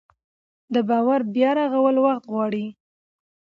د باور بیا رغول وخت غواړي